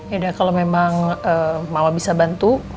ya udah kalau memang mama bisa bantu